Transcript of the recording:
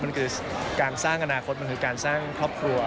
มันคือการสร้างอนาคตมันคือการสร้างครอบครัว